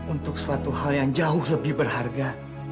untuk suatu hal yang jauh lebih berharga